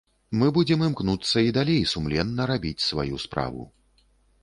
Мы будзем імкнуцца і далей сумленна рабіць сваю справу.